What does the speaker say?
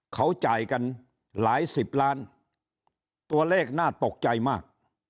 เขาจ่ายกันหลายสิบล้านตัวเลขน่าตกใจมาก